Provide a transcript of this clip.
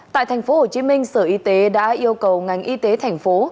tại tp hcm sở y tế đã yêu cầu ngành y tế thành phố